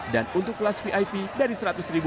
dan untuk kelas vip dari rp seratus